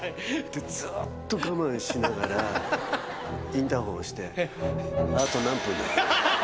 ずっと我慢しながらインターホン押して。